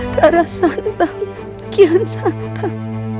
karena santan kian santan